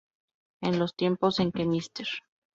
En los tiempos en que Mr.